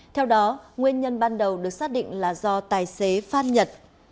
theo đó nguyên nhân ban đầu được xác định là do tài xế phan nhật